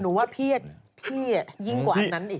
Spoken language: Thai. หนูว่าพี่ยิ่งกว่านั้นอีก